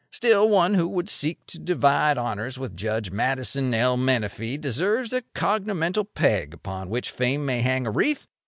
Still, one who would seek to divide honours with Judge Madison L. Menefee deserves a cognomenal peg upon which Fame may hang a wreath.